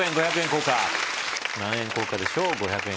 硬貨何円硬貨でしょう５００円